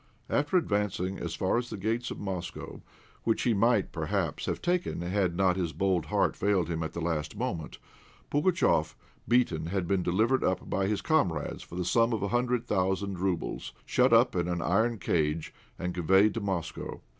_(After advancing as far as the gates of Moscow, which he might perhaps have taken had not his bold heart failed him at the last moment, Pugatchéf, beaten, had been delivered up by his comrades for the sum of a hundred thousand roubles, shut up in an iron cage, and conveyed to Moscow.